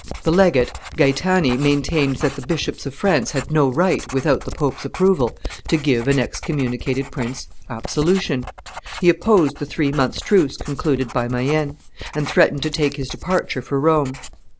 The legate, Gaetani, maintained that the bishops of France had no right, without the pope's approval, to give an excommunicated prince absolution; he opposed the three months' truce concluded by Mayenne, and threatened to take his departure for Rome.